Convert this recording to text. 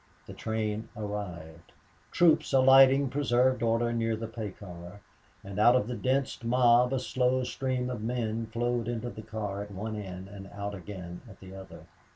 The train arrived. Troops alighting preserved order near the pay car; and out of the dense mob a slow stream of men flowed into the car at one end and out again at the other.